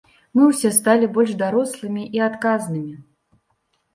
Мы ўсе сталі больш дарослымі і адказнымі.